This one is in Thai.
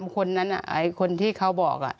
คนนั้นคนที่เขาบอก